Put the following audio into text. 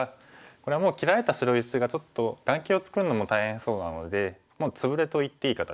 これはもう切られた白石がちょっと眼形を作るのも大変そうなのでもうツブレといっていい形。